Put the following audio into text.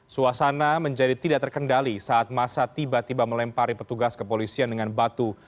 suasana menjadi tidak terkendali saat masa tiba tiba melempari petugas kepolisian dengan batu